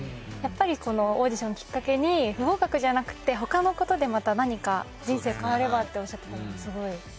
やっぱりこのオーディションをきっかけに不合格じゃなくて他のことでまた何か人生変わればっておっしゃってたのがすごい。